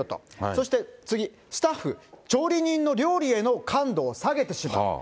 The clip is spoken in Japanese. そして次、スタッフ、調理人の料理への感度を下げてしまう。